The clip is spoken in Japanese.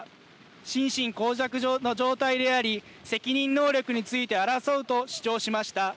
心神耗弱の状態であり責任能力について争うと主張しました。